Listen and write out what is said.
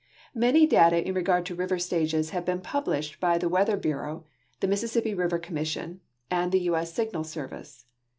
Many data in regard to river stages have been published by the Weather Bureau, the Mississippi River commission, and the U. S. Signal Service.